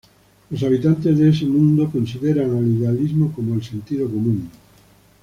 Los habitantes de ese mundo consideran al idealismo como el sentido común.